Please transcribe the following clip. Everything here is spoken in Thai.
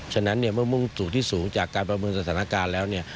ฉะนั้นเนี่ยเมื่อมุ่งสู่ที่สูงจากการประเมินสถานการณ์แล้วเนี่ย